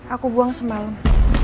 aku buang semalam